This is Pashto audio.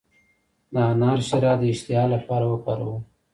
د انار شیره د اشتها لپاره وکاروئ